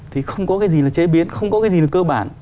thì không có cái gì là chế biến không có cái gì là cơ bản